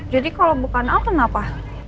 jadi kalau bukan al kenapa